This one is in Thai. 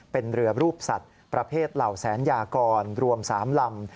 เป็นเรือรูปสัตว์ประเภทเหล่าแสนยากรรวม๓ลำ